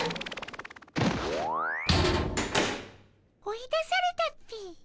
追い出されたっピ。